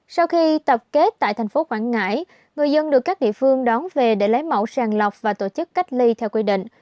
sau khi tập kết tại thành phố quảng ngãi người dân được các địa phương đón về để lấy mẫu sàng lọc và tổ chức cách ly theo quy định